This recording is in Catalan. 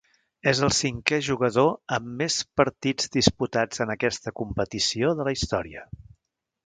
És el cinquè jugador amb més partits disputats en aquesta competició de la història.